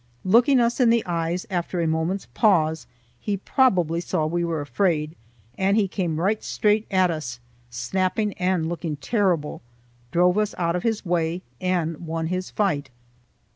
Looking us in the eyes after a moment's pause, he probably saw we were afraid, and he came right straight at us, snapping and looking terrible, drove us out of his way, and won his fight.